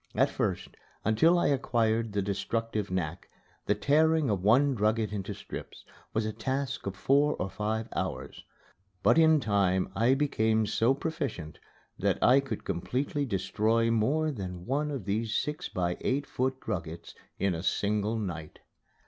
At first, until I acquired the destructive knack, the tearing of one drugget into strips was a task of four or five hours. But in time I became so proficient that I could completely destroy more than one of these six by eight foot druggets in a single night.